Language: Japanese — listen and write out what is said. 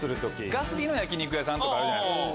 ガス火の焼き肉屋さんとかあるじゃないですか。